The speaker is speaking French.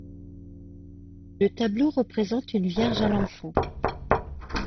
Le tableau représente une Vierge à l'Enfant.